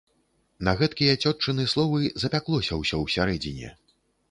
На гэткія цётчыны словы запяклося ўсё ўсярэдзіне.